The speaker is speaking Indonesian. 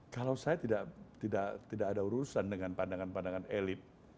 kalau saya tidak ada urusan dengan pandangan pandangan elit